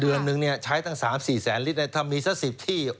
เดือนนึงใช้ตั้ง๓๔แสนลิตรถ้ามีสัก๑๐ที่